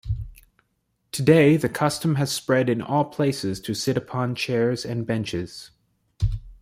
Today, the custom has spread in all places to sit upon chairs and benches.